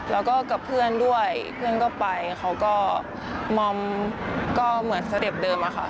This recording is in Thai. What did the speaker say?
แล้วก็กับเพื่อนด้วยเพื่อนก็ไปเขาก็มอมก็เหมือนสเต็ปเดิมอะค่ะ